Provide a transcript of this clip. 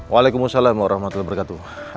waalaikumussalam warahmatullahi wabarakatuh